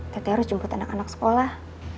tete harus jemput anak anak sekolah